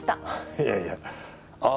いやいやあっ！